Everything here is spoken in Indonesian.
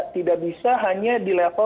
tidak bisa hanya di level